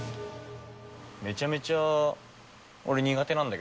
めちゃめちゃ俺、苦手なんだ